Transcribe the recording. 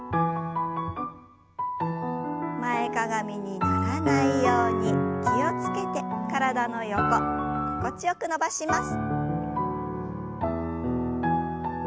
前かがみにならないように気を付けて体の横心地よく伸ばします。